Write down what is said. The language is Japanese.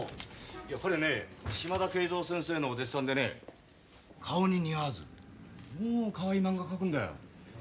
いや彼ね島田啓三先生のお弟子さんでね顔に似合わずかわいいまんが描くんだよ。